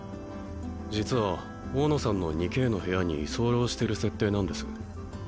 実は大野さんの２Ｋの部屋に居候してる設定なんです